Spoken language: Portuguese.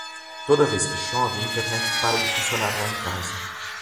Toda vez que chove a Internet para de funcionar lá em casa.